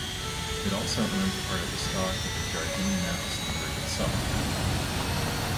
It also owns part of the stock of the Jardine Matheson group itself.